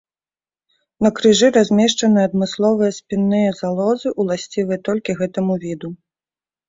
На крыжы размешчаны адмысловыя спінныя залозы, уласцівыя толькі гэтаму віду.